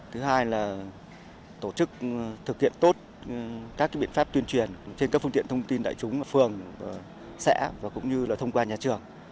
thứ hai là tổ chức thực hiện tốt các biện pháp tuyên truyền trên các phương tiện thông tin đại chúng phường xã và cũng như thông qua nhà trường